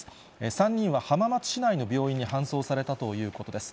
３人は浜松市内の病院に搬送されたということです。